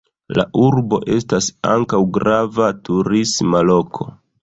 La urbo estas ankaŭ grava turisma loko.